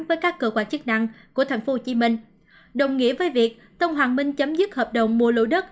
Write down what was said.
với các cơ quan chức năng của thành phố hồ chí minh đồng nghĩa với việc tân hoàng minh chấm dứt hợp đồng mua lô đất